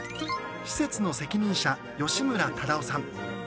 施設の責任者吉村忠男さん。